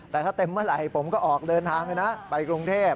แต่ถ้าเต็มเมื่อไหร่ผมก็ออกเดินทางเลยนะไปกรุงเทพ